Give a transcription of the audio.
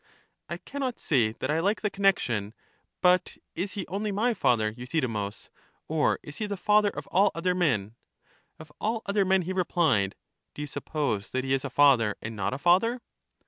I can not say that I like the connection; but is he only my father, Euthydemus, or is he the father of all other men? Of all other men, he replied. Do you suppose that he is a father and not a father?